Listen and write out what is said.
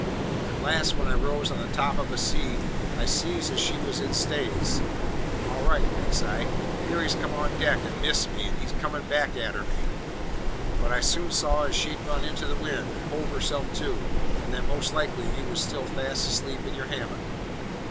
"At last, when I rose on the top of a sea, I sees as she was in stays; and `All right,' thinks I, `Harry's come on deck and missed me, and he's comin' back a'ter me.' But I soon saw as she'd run into the wind, and hove herself to, and that most likely you was still fast asleep in your hammock.